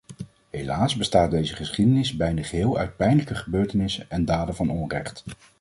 Helaas bestaat deze geschiedenis bijna geheel uit pijnlijke gebeurtenissen en daden van onrecht.